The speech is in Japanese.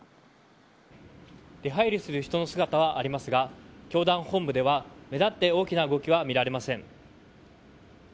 出入りする人の姿はありますが教団本部では目立って大きな動きは見られません。